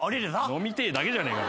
飲みてえだけじゃねえか。